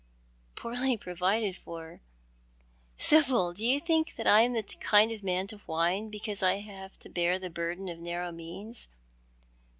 " Poorly provided for ! Sibyl, do you think I am the kind of man to whine because I have to bear the burden of narrow means